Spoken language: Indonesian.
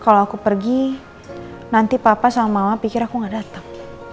kalau aku pergi nanti papa sama mama pikir aku gak datang